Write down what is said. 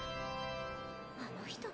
あの人が？